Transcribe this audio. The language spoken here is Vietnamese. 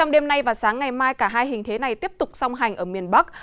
đêm nay và sáng ngày mai cả hai hình thế này tiếp tục song hành ở miền bắc